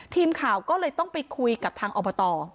ทีมข่าวก็เลยต้องไปคุยกับทางอบต